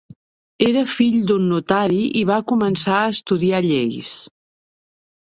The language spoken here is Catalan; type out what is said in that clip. Era fill d'un notari i va començar a estudiar lleis.